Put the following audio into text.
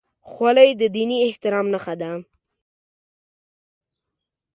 خولۍ د دیني احترام نښه ده.